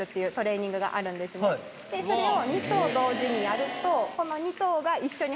それを。